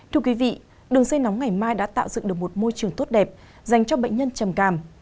thưa quý vị đường dây nóng ngày mai đã tạo dựng được một môi trường tốt đẹp dành cho bệnh nhân trầm cảm